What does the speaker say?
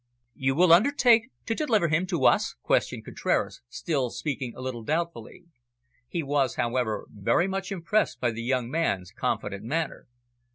"You will undertake to deliver him to us?" questioned Contraras, still speaking a little doubtfully. He was, however, very much impressed by the young man's confident manner.